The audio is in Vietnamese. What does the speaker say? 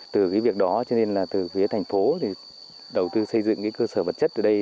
từ cái việc đó cho nên là từ phía thành phố thì đầu tư xây dựng cái cơ sở vật chất ở đây